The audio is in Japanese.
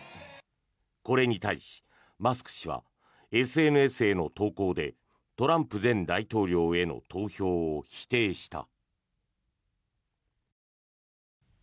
これに対し、マスク氏はＳＮＳへの投稿でトランプ前大統領への投票を否定した。